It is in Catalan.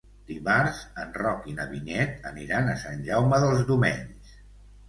Dimarts en Roc i na Vinyet aniran a Sant Jaume dels Domenys.